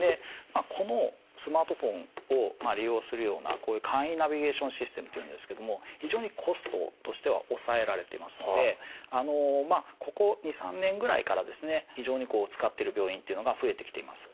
このスマートフォンを利用するようなこういう「簡易ナビゲーションシステム」っていうんですけども非常にコストとしては抑えられてますのでここ２３年ぐらいからですね非常に使ってる病院っていうのが増えてきています。